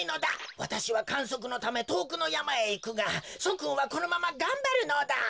わたしはかんそくのためとおくのやまへいくがしょくんはこのままがんばるのだ。